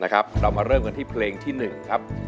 เรามาเริ่มกันที่เพลงที่๑ครับ